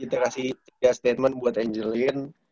kita kasih tiga statement buat angelin